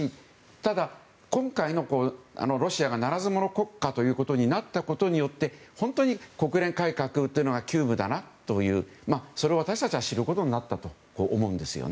ただ、今回のロシアがならず者国家ということになったことで本当に国連改革が急務だなというそれを私たちは、知ることになったと思うんですね。